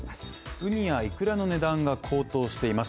ウニやイクラの値段が高騰しています。